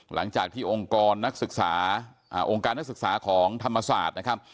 หลังจากที่องค์การนักศึกษาของธรรมศาสตร์นะครับ